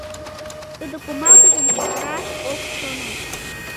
Тудо кумалтышым чараш ок шоно.